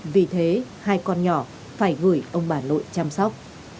vì thế hai con nhỏ phải gửi ông bà nội chăm sóc